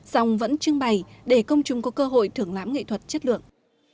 dòng vẫn trưng bày để công chúng có cơ hội thưởng lãm nghệ thuật chất lượng